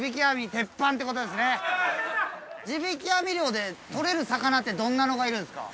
地引網漁で獲れる魚ってどんなのがいるんですか？